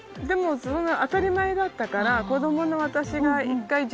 でもそれが当たり前だったから子どもの私が。